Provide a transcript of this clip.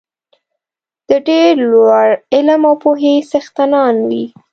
د ډېر لوړ علم او پوهې څښتنان وي.